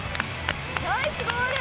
ナイスゴール！